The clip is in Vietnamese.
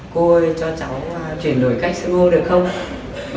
cô ơi cho cháu chuyển đổi cách sưng hô được không